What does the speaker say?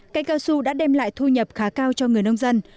cây cao su đã đem lại thu nhập khá cao cho người nông dân